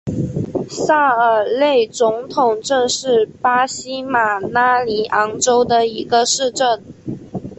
萨尔内总统镇是巴西马拉尼昂州的一个市镇。